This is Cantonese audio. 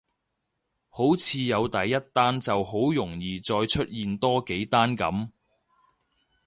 好似有第一單就好容易再出現多幾單噉